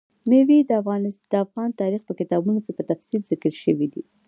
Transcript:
مېوې د افغان تاریخ په کتابونو کې په تفصیل ذکر شوي دي.